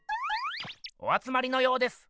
おあつまりのようです。